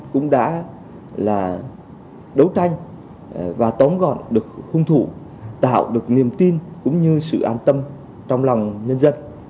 cũng đã là đấu tranh và tóm gọn được hung thủ tạo được niềm tin cũng như sự an tâm trong lòng nhân dân